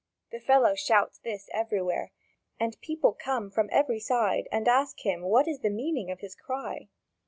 The fellow shouts this everywhere, and the people come from every side and ask him what is the meaning of his cry.